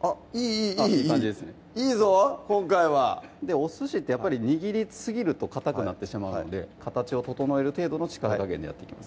あっいいいいいいいいぞ今回はお寿司ってやっぱり握りすぎるとかたくなってしまうので形を整える程度の力加減でやっていきます